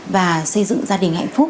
và xây dựng gia đình hạnh phúc